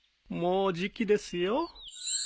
もうじきですよ。